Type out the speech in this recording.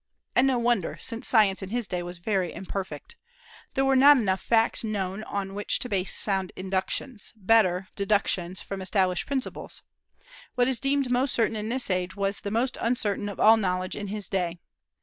And no wonder, since science in his day was very imperfect. There were not facts enough known on which to base sound inductions: better, deductions from established principles. What is deemed most certain in this age was the most uncertain of all knowledge in his day.